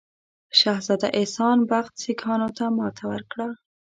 شهزاده احسان بخت سیکهانو ته ماته ورکړه.